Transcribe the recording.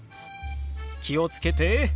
気を付けて。